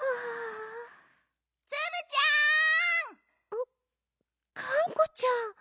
あっがんこちゃん。